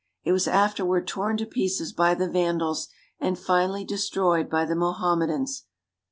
It was afterward torn to pieces by the Vandals, and finally destroyed by the Mohammedans.